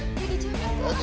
si neng di jalan